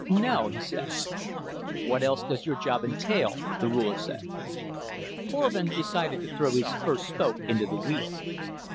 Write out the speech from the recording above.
"No," he said. "What else does your job entail?" the Ruler said. Korvin decided to throw his first spoke into the wheel.